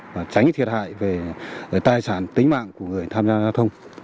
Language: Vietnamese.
và tránh thiệt hại về tài sản tính mạng của người tham gia giao thông